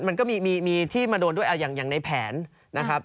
มันก็มีที่มาโดนด้วยอย่างในแผนนะครับ